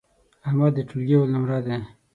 احمد د ټولگي اول نمره دی.